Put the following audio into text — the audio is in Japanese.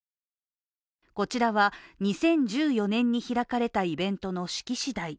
こちらは２０１４年に開かれたイベントの式次第。